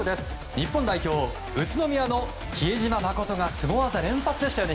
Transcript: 日本代表、宇都宮の比江島慎がスゴ技連発ですね。